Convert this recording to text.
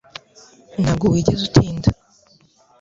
Ntabwo wigeze utinda